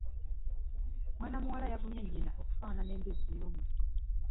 Mwana muwala yavumye nnyina okufaanana embizzi y'omunsiko